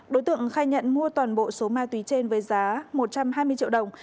đối tượng khai nhận mua toàn bộ số ma túy trên với giá một trăm hai mươi triệu đồng